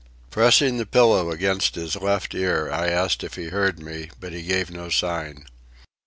Pressing the pillow against his left ear, I asked him if he heard me, but he gave no sign.